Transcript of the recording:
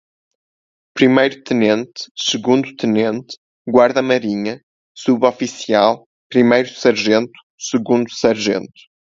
Primeiro-Tenente, Segundo-Tenente, Guarda-Marinha, Suboficial, Primeiro-Sargento, Segundo-Sargento